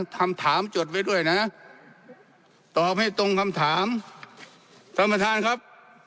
ทำถามจดไว้ด้วยนะนะตอบให้ตรงคำถามสมทานครับ